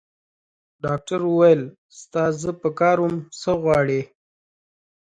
ډاکټر وویل: ستا زه په کار وم؟ څه غواړې؟